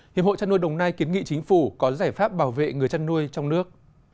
hiệp hội chăn nuôi đồng nai kiến nghị chính phủ có giải pháp bảo vệ người chăn nuôi trong nước